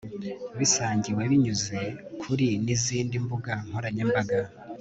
bisangiwe binyuze kuri nizindi mbuga nkoranyambaga